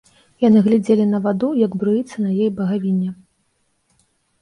Яны глядзелі на ваду, як бруіцца на ёй багавінне.